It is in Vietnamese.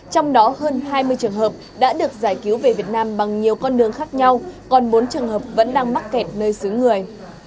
trong đó hơn hai mươi trường hợp đã được giải cứu về việt nam bằng nhiều con đường khác nhau còn bốn trường hợp vẫn đang mắc kẹt nơi xứ người